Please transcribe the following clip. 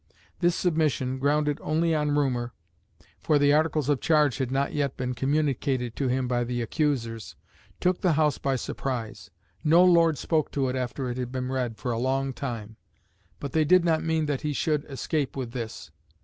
This submission, "grounded only on rumour," for the Articles of charge had not yet been communicated to him by the accusers, took the House by surprise. "No Lord spoke to it, after it had been read, for a long time." But they did not mean that he should escape with this.